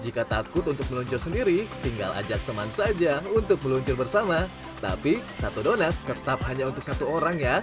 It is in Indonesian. jika takut untuk meluncur sendiri tinggal ajak teman saja untuk meluncur bersama tapi satu donat tetap hanya untuk satu orang ya